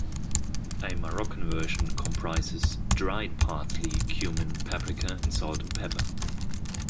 A Moroccan version comprises dried parsley, cumin, paprika and salt and pepper.